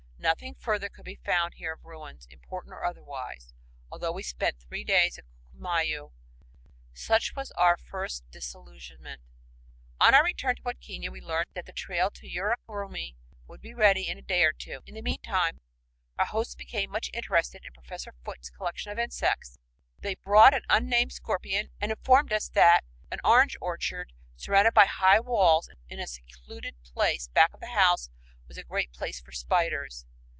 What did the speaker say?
Nothing further could be found here of ruins, "important" or otherwise, although we spent three days at Ccllumayu. Such was our first disillusionment. On our return to Huadquiña, we learned that the trail to Yurak Rumi would be ready "in a day or two." In the meantime our hosts became much interested in Professor Foote's collection of insects. They brought an unnamed scorpion and informed us that an orange orchard surrounded by high walls in a secluded place back of the house was "a great place for spiders."